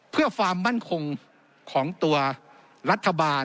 เพื่อความมั่นคงของตัวรัฐบาล